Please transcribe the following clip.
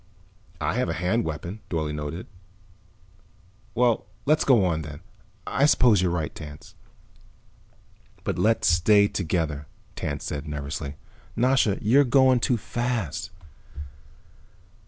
"I have a hand weapon." Dorle nodded. "Well, let's go on, then. I suppose you're right, Tance." "But let's stay together," Tance said nervously. "Nasha, you're going too fast."